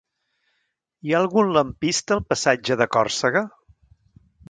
Hi ha algun lampista al passatge de Còrsega?